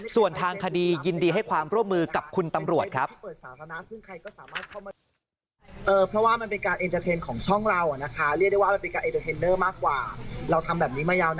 ส่วนทางคดียินดีให้ความร่วมมือกับคุณตำรวจครับ